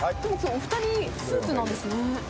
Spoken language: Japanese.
お二人、スーツなんですね。